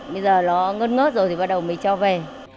bây giờ nó ngớt ngớt rồi thì bắt đầu mới cho về